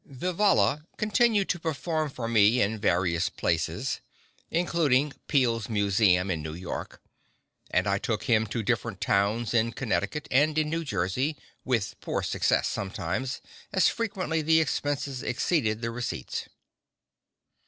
Vivalla continued to perform for me in various places, including Peale's Museum, in New York, and I took him to different towns in Connecticut and in New Jersey, with poor success sometimes, as frequently the expenses exceeded the receipts.